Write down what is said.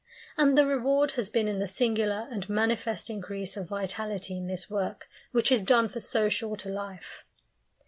And the reward has been in the singular and manifest increase of vitality in this work which is done for so short a life.